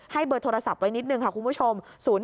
เบอร์โทรศัพท์ไว้นิดนึงค่ะคุณผู้ชม